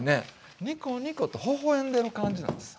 ニコニコと微笑んでる感じなんです。